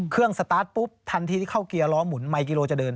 เครื่องสตาร์ทปุ๊บทันที่เข้าเกียร์ล้อหมุนไมค์กิโลจะเดิน